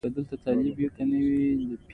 هغوی احتمالاً پیسې هم لرلې